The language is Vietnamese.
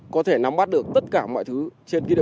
có thể nắm bắt được tất cả mọi thứ trên kia đề bàn